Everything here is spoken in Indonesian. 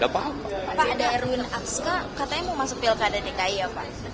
pak darwin abska katanya mau masuk pilkada dki ya pak